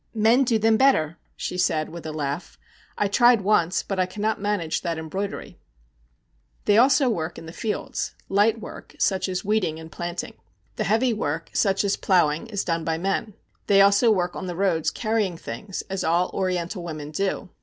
'Men do them better,' she said, with a laugh. 'I tried once, but I cannot manage that embroidery.' They also work in the fields light work, such as weeding and planting. The heavy work, such as ploughing, is done by men. They also work on the roads carrying things, as all Oriental women do.